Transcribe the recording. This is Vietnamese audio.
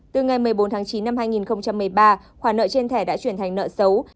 từ ngày một mươi bốn tháng chín năm hai nghìn một mươi ba khoản nợ trên thẻ đã chuyển thành nợ xấu